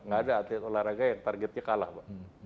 gak ada atlet olahraga yang targetnya kalah pak